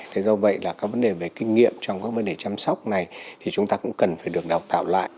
thế do vậy là các vấn đề về kinh nghiệm trong các vấn đề chăm sóc này thì chúng ta cũng cần phải được đào tạo lại